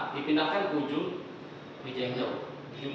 dipindahkan ke ujung meja yang jauh